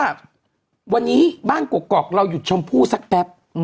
ว่าวันนี้บ้านกรกเราหยุดชมพู่สักแป๊บ